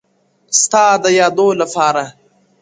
ستا د يادو لپاره ـ